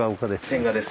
千賀です。